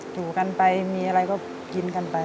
ถูกกันไปมีอะไรก็กินกันไป